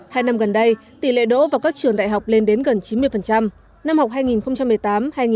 hai năm gần đây tỷ lệ đỗ vào các trường đại học lên đến gần chín mươi